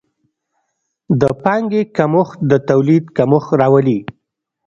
د پانګې کمښت د تولید کمښت راولي.